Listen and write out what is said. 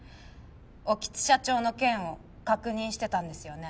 興津社長の件を確認してたんですよね？